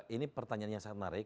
ini pertanyaan yang sangat menarik